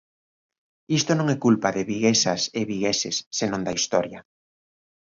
Isto non é culpa de viguesas e vigueses, senón da historia.